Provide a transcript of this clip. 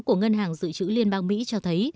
của ngân hàng dự trữ liên bang mỹ cho thấy